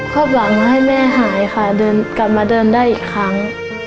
ขอบำให้แม่หายค่ะกลับมาเดินได้อีกครั้ง